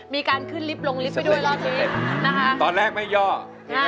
มีการขึ้นลิฟต์ลงลิฟต์ไปด้วยแล้วที